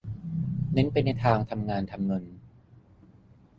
เน้นไปในทางทำงานทำเงิน